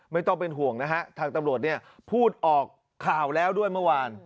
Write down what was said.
ไม่ต้องเป็นห่วงนะฮะทางตำรวจเนี่ยพูดออกข่าวแล้วด้วยเมื่อวาน